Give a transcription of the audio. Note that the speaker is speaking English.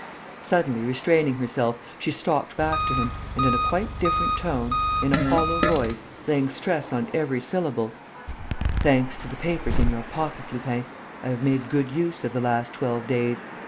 Suddenly restraining herself, she stalked back to him and, in a quite different tone, in a hollow voice, laying stress on every syllable: "Thanks to the papers in your pocket, Lupin, I have made good use of the last twelve days.